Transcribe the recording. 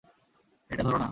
এটা ধোরো না।